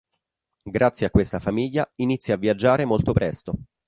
Grazie a questa famiglia inizia a viaggiare molto presto.